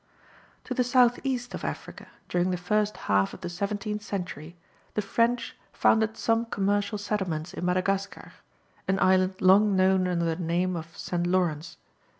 To the south east of Africa, during the first half of the seventeenth century, the French founded some commercial settlements in Madagascar, an island long known under the name of St. Lawrence.